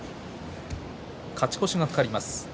勝ち越しが懸かります。